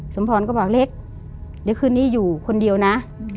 สมพรก็บอกเล็กเดี๋ยวคืนนี้อยู่คนเดียวนะ